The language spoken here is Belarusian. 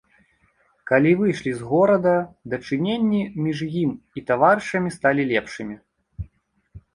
Калі выйшлі з горада, дачыненні між ім і таварышамі сталі лепшымі.